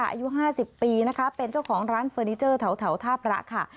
อายุ๕๐ปีนะคะเป็นเจ้าของร้านเฟอร์นิเจอร์แถวท่าพระค่ะ